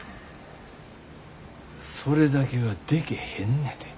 それだけはでけへんねて。